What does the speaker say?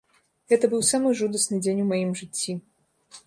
Гэта быў самы жудасны дзень у маім жыцці.